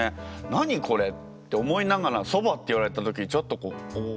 「何これ？」って思いながら「そば」って言われた時ちょっとこう「おお！」